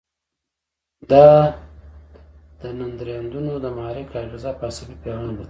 دا دندرایدونه د محرک اغیزه په عصبي پیغام بدلوي.